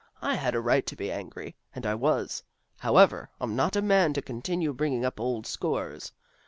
I had a right to be angry, and I was. However, I'm not a man to continue bringing up old scores.